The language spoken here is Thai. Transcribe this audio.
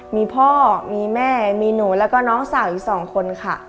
มีพ่อมีแม่มีหนูแล้วก็น้องสาวอีก๒คนค่ะ